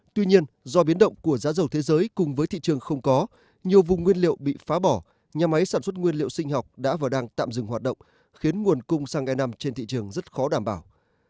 tuy nhiên do biến động của giá dầu thế giới cùng với thị trường không có nhiều vùng nguyên liệu bị phá bỏ nhà máy sản xuất nguyên liệu sinh học đã và đang tạm dừng hoạt động khiến nguồn cung xăng e năm trên thị trường rất khó đảm bảo